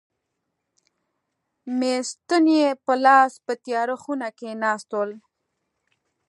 مې ستنې په لاس په تیاره خونه کې ناست ول.